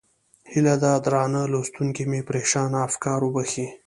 هیله ده درانه لوستونکي مې پرېشانه افکار وبښي.